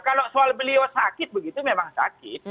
kalau soal beliau sakit begitu memang sakit